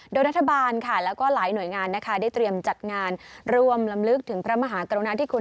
โดยรัฐบาลค่ะแล้วก็หลายหน่วยงานนะคะได้เตรียมจัดงานร่วมลำลึกถึงพระมหากรุณาธิคุณ